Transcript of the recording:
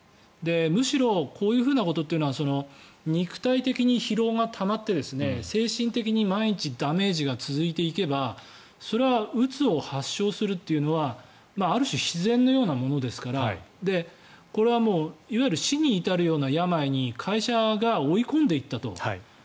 むしろこういうことというのは肉体的に疲労がたまって精神的に毎日ダメージが続いていけばそれはうつを発症するというのはある種必然のようなものですからこれはいわゆる死に至るような病に会社が追い込んでいったと。